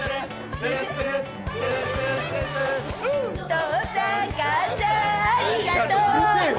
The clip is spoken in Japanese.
「父さん母さんありがとう」うるせえよ。